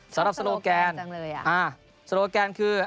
สำหรับโซโลแกนจังเลยอ่ะโซโลแกนคือ